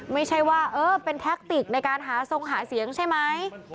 ไม่ใช่ว่าเออเป็นแท็กติกในการหาทรงหาเสียงใช่ไหม